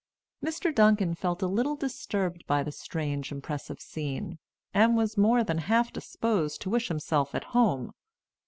Mr. Duncan felt a little disturbed by the strange, impressive scene, and was more than half disposed to wish himself at home.